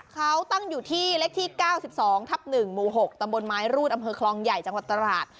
เขาตั้งอยู่ที่เลขที่๙๒ทับ๑หมู่๖ตำบลไม้รูดอำเภอคลองใหญ่จังหวัดตราด